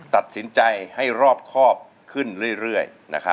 ตัดสินใจให้รอบครอบขึ้นเรื่อย